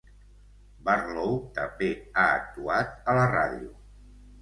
Barlow també ha actuat a la ràdio.